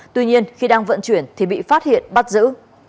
tuy nhiên khi đang vận chuyển thì bị phát hiện bắt giữ